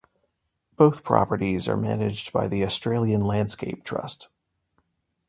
Both properties are managed by the Australian Landscape Trust.